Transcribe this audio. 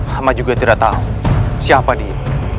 sama juga tidak tahu siapa dia